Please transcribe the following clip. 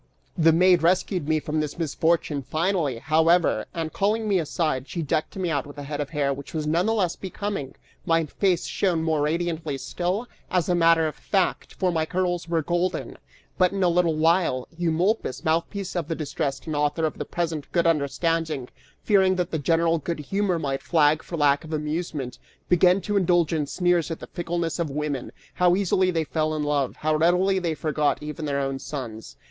The maid rescued me from this misfortune finally, however, and calling me aside, she decked me out with a head of hair which was none the less becoming; my face shone more radiantly still, as a matter of fact, for my curls were golden! But in a little while, Eumolpus, mouthpiece of the distressed and author of the present good understanding, fearing that the general good humor might flag for lack of amusement, began to indulge in sneers at the fickleness of women: how easily they fell in love; how readily they forgot even their own sons!